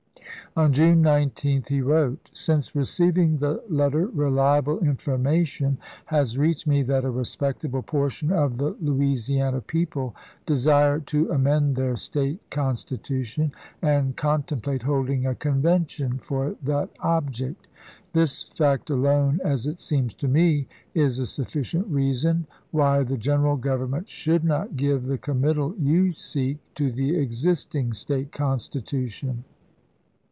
On June 19, he wrote : Since receiving the letter reliable information has reached me that a respectable portion of the Louisiana people desire to amend their State constitution, and con template holding a Convention for that object. This fact alone, as it seems to me, is a sufficient reason why the General Government should not give the committal you seek to the existing State Constitution.